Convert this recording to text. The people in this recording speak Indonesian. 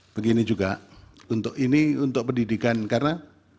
begini juga untuk ini untuk pendidikan karena